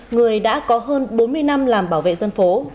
người đã có hơn bốn mươi năm làm bảo vệ dân phố